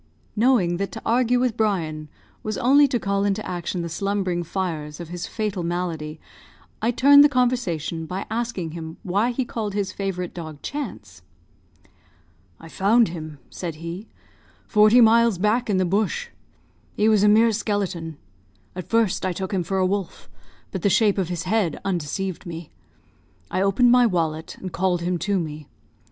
Knowing that to argue with Brian was only to call into action the slumbering fires of his fatal malady, I turned the conversation by asking him why he called his favourite dog Chance? "I found him," he said, "forty miles back in the bush. He was a mere skeleton. At first I took him for a wolf, but the shape of his head undeceived me. I opened my wallet, and called him to me.